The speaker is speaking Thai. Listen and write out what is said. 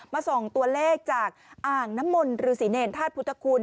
ส่งตัวเลขจากอ่างน้ำมนต์ฤษีเนรธาตุพุทธคุณ